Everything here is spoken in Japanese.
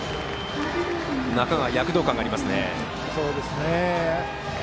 中川、躍動感がありますね。